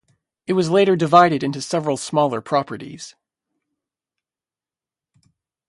It was later divided into several smaller properties.